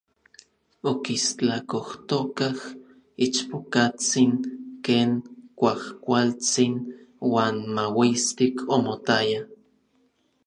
Okistlakojtokaj ichpokatsin ken kuajkualtsin uan mauistik omotaya.